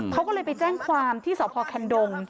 เขาก็เลยไปแจ้งความที่สพแคนดง